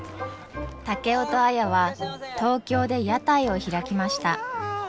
竹雄と綾は東京で屋台を開きました。